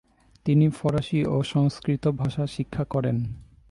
তিনি ফারসি ও সংস্কৃত ভাষা শিক্ষা করেন।